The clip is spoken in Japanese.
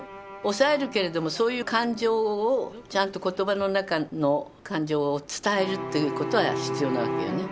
抑えるけれどもそういう感情をちゃんと言葉の中の感情を伝えるということは必要なわけよね。